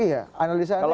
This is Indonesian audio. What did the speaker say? iya analisaannya gitu